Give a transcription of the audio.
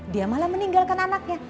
dia malah meninggalkan anaknya